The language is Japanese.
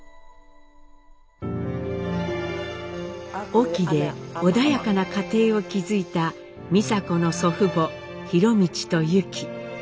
隠岐で穏やかな家庭を築いた美佐子の祖父母博通とユキ。